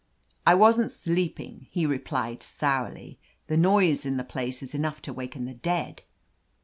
"I wasn't sleeping," he replied sourly. "The noise in the place is enough to waken the dead."